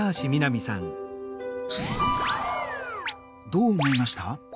どう思いました？